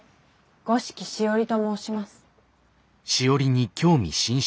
五色しおりと申します。